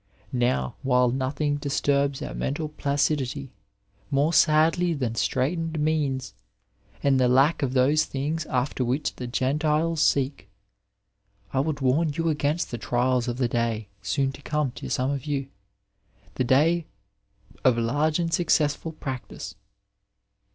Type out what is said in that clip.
Now, while nothing disturbs our mental placidity more sadly than straightened means, and the lack of those things after which the Gentiles seek, I would warn you against the trials of the day soon to come to some of you — ^the day of large and successful practice.